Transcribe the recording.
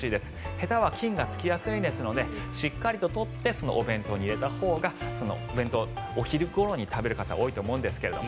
へたは菌がつきやすいのでしっかりと取ってお弁当に入れたほうがお弁当、お昼ごろに食べる方が多いと思うんですが。